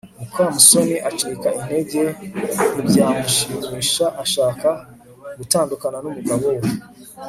mukamusoni acika intege ntibyamushimisha ashaka gutandukana n'umugabo we